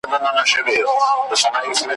ملا غاړي كړې تازه يو څه حيران سو `